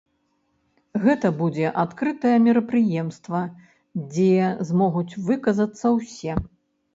Гэта будзе адкрытае мерапрыемства, дзе змогуць выказацца ўсе.